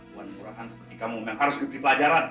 perempuan murahan seperti kamu yang harus diberi pelajaran